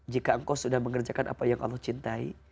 jika engkau sudah mengerjakan apa yang allah cintai